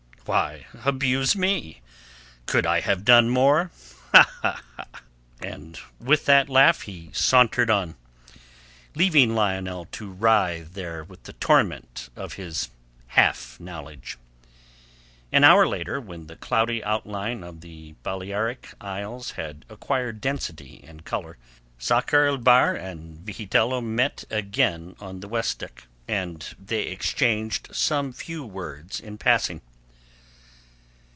"Why abuse me? Could I have done more?" And with a laugh he sauntered on, leaving Lionel to writhe there with the torment of his half knowledge. An hour later, when the cloudy outline of the Balearic Isles had acquired density and colour, Sakr el Bahr and Vigitello met again on the waist deck, and they exchanged some few words in passing.